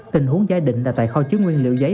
tình huống giả định là tại kho chứa nguyên liệu giấy